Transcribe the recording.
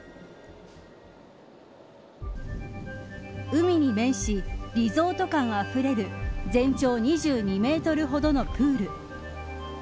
海に面し、リゾート感あふれる全長２２メートルほどのプール。